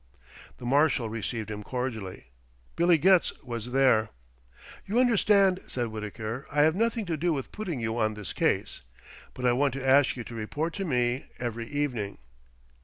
The Marshal received him cordially. Billy Getz was there. "You understand," said Wittaker, "I have nothing to do with putting you on this case. But I want to ask you to report to me every evening."